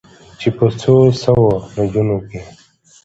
چې په څو سوو نجونو کې